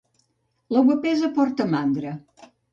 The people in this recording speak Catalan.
La guapesa porta mandra.